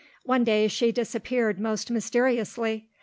One day she disappeared most mysteriously.